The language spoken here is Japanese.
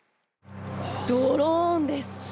ドローンです。